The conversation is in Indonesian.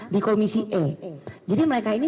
di komisi e jadi mereka ini